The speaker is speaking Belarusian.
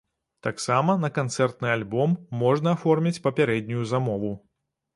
Таксама на канцэртны альбом можна аформіць папярэднюю замову.